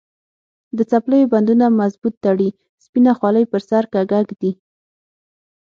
د څپلیو بندونه مضبوط تړي، سپینه خولې پر سر کږه ږدي.